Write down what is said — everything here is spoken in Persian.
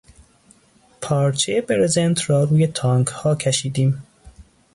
پارچهی برزنت را روی تانکها کشیدیم.